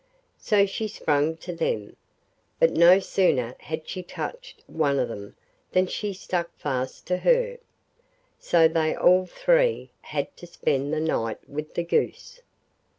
So she sprang to them; but no sooner had she touched one of them than she stuck fast to her. So they all three had to spend the night with the goose.